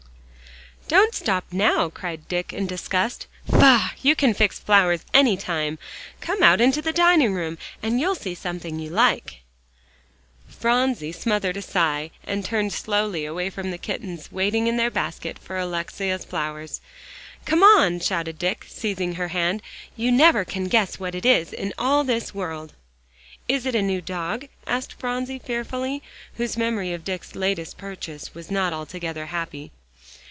"Don't stop now," cried Dick in disgust. "Faugh! you can fix flowers any time. Come out into the dining room and you'll see something you'll like." Phronsie smothered a sigh, and turned slowly away from the kittens waiting in their basket for Alexia's flowers. "Come on!" shouted Dick, seizing her hand. "You never can guess what it is, in all this world." "Is it a new dog?" asked Phronsie fearfully, whose memory of Dick's latest purchase was not altogether happy.